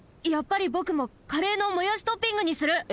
やっぱりぼくもカレーのもやしトッピングにする！